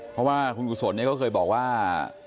เพราะว่าคุณกุศลก็เคยบอกว่า